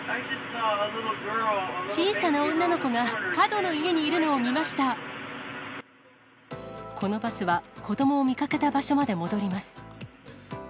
小さな女の子が角の家にいるこのバスは、子どもを見かけた場所まで戻ります。